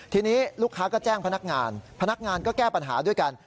ทีนี้ลูกค้าก็แจ้งพนักงานพนักงานก็แก้ปัญหาด้วยกัน